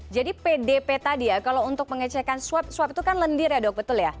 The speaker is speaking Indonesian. jadi pdp tadi ya kalau untuk pengecekan swab swab itu kan lendir ya dok